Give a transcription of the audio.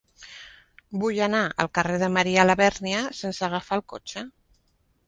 Vull anar al carrer de Marià Labèrnia sense agafar el cotxe.